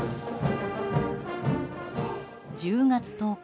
１０月１０日。